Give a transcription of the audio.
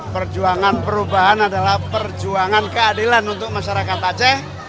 perjuangan perubahan adalah perjuangan keadilan untuk masyarakat aceh